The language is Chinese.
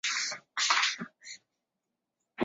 后夜蛾为隆蛾科后夜蛾属下的一个种。